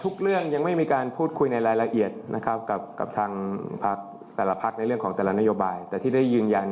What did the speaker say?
ทุกเรื่องยังไม่มีการพูดคุยในรายละเอียดกับทั้งฟักแต่ละภาคในเรื่องได้ยืนยัน